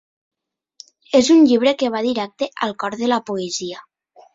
És un llibre que va directe al cor de la poesia.